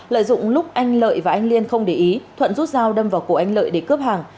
lợi dụng lúc anh lợi và anh liên không để ý thuận rút dao đâm vào cổ anh lợi để cướp hàng